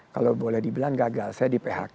kalau boleh dibilang gagal saya di phk